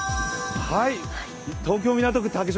東京・港区竹芝